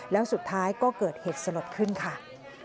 แล้วสุดท้ายก็เกิดเหตุสลดขึ้นค่ะ